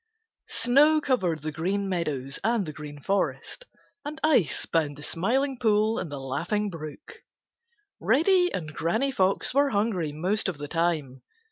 —Old Granny Fox. Snow covered the Green Meadows and the Green Forest, and ice bound the Smiling Pool and the Laughing Brook. Reddy and Granny Fox were hungry most of the time.